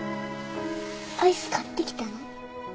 アイス買ってきたの？